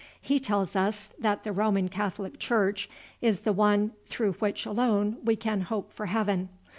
He tells us that the Roman Catholic Church is the one 'through which alone we can hope for heaven.'